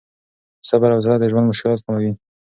صبر او حوصله د ژوند مشکلات کموي.